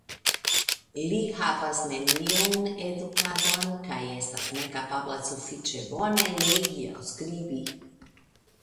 Li havas neniun edukadon kaj estas nekapabla sufiĉe bone legi aŭ skribi.